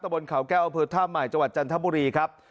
ตะบนเขาแก้วอเภิร์ธ่ามใหม่จังหวัดจันทบุรีครับ